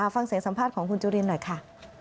ฟังเสียงสัมภาษณ์ของคุณจุลินหน่อยค่ะ